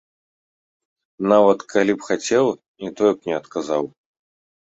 Нават калі б хацеў, і тое б не адказаў!